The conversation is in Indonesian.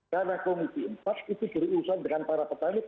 karena komisi empat itu berurusan dengan para petani